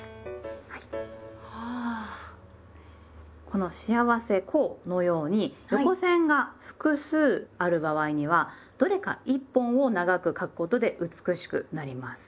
この「『幸』せ」「幸」のように横線が複数ある場合にはどれか１本を長く書くことで美しくなります。